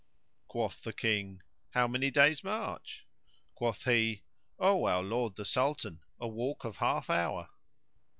Quoth the King, "How many days' march?" Quoth he, "O our lord the Sultan, a walk of half hour."